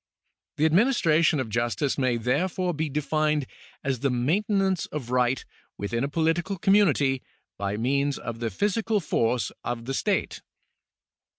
The administration of justice may therefore be defined as the maintenance of right within a political community by means of the physical force of the state.